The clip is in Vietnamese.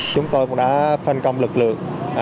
chúng tôi cũng đã phân công lực lượng